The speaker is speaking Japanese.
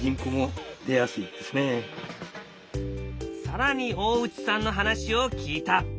更に大内さんの話を聞いた。